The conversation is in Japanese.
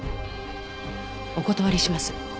お断りします。